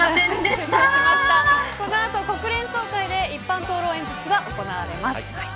この後、国連総会で一般討論演説が行われます。